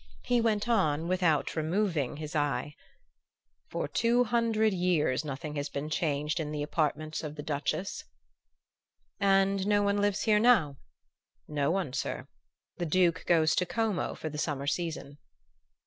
He went on, without removing his eye: "For two hundred years nothing has been changed in the apartments of the Duchess." "And no one lives here now?" "No one, sir. The Duke, goes to Como for the summer season."